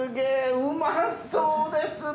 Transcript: うまそうですね！